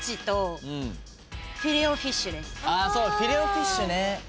フィレオフィッシュね。